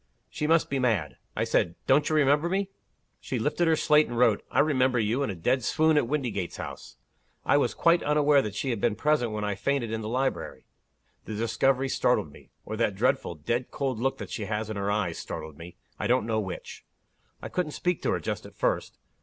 She must be mad. I said, 'Don't you remember me?' She lifted her slate, and wrote, 'I remember you, in a dead swoon at Windygates House.' I was quite unaware that she had been present when I fainted in the library. The discovery startled me or that dreadful, dead cold look that she has in her eyes startled me I don't know which. I couldn't speak to her just at first.